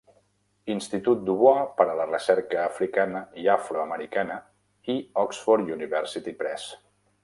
Institut Du Bois per a la Recerca Africana i Afroamericana i Oxford University Press.